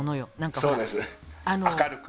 そうです明るく。